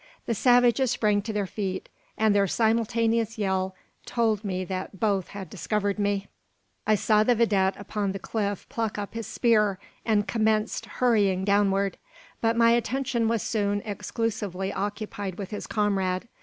The savages sprang to their feet, and their simultaneous yell told me that both had discovered me. I saw the vidette upon the cliff pluck up his spear, and commence hurrying downward; but my attention was soon exclusively occupied with his comrade.